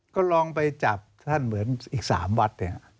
ก็ลองไปจับท่านเหมือนอีกสามวัด